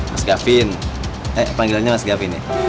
mas gafin eh panggilannya mas gafin ya